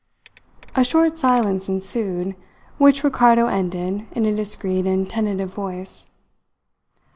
A short silence ensued, which Ricardo ended in a discreet and tentative voice.